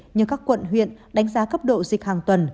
như các quận huyện đánh giá cấp độ dịch hàng tuần